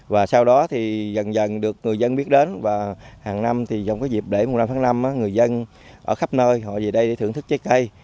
và sau đó thì dần dần được người dân biết đến và hàng năm thì trong cái dịp để mùng năm tháng năm người dân ở khắp nơi họ về đây để thưởng thức trái cây